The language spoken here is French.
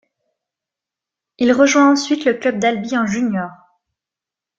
Il rejoint ensuite le club d'Albi en junior.